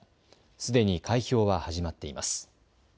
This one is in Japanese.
すでに開票は始まっています。